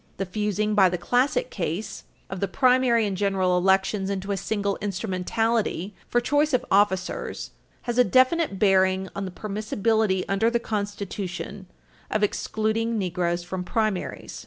The fusing by the Classic case of the primary and general elections into a single instrumentality for choice of officers has a definite bearing on the permissibility under the Constitution of excluding Negroes from primaries.